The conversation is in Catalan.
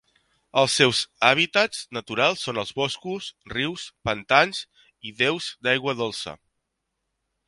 Els seus hàbitats naturals són els boscos, rius, pantans, i deus d'aigua dolça.